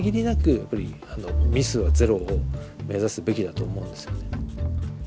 やっぱりミスはゼロを目指すべきだと思うんですよね。